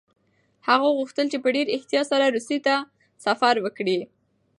هغه غوښتل چې په ډېر احتیاط سره روسيې ته سفر وکړي.